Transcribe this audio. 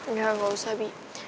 enggak enggak usah bi